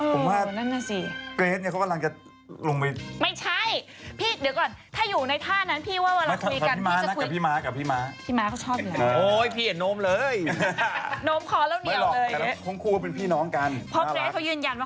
ผมว่าเกรสเนี่ยเขากำลังจะลงไปนั่นแหละสิ